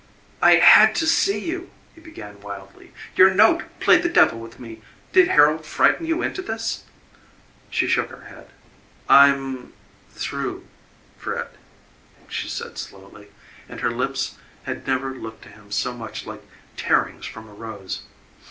"I had to see you," he began wildly; "your note played the devil with me. Did Harold frighten you into this?" She shook her head. "I'm through, Fred," she said slowly, and her lips had never looked to him so much like tearings from a rose.